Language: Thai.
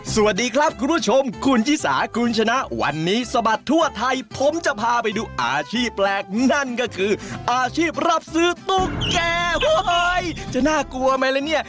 สวัสดีครับคุณผู้ชมคุณชิสาคุณชนะวันนี้สะบัดทั่วไทยผมจะพาไปดูอาชีพแปลกนั่นก็คืออาชีพรับซื้อตุ๊กแก่จะน่ากลัวไหมล่ะเนี่ย